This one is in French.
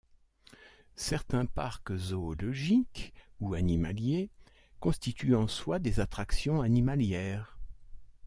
Certains parcs zoologiques ou animaliers constituent en soi des attractions animalières.